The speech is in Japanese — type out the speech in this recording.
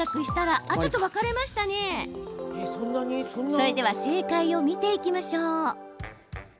それでは正解を見ていきましょう。